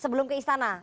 sebelum ke istana